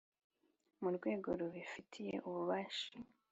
mu rwego rubifitiye ububasha.